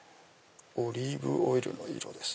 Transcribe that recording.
オリーブオイルの色です。